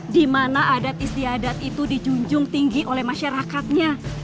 di mana adat istiadat itu dijunjung tinggi oleh masyarakatnya